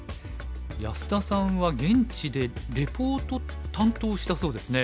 安田さんは現地でレポート担当したそうですね。